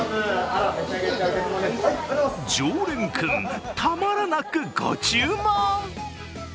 常連君、たまらなくご注文。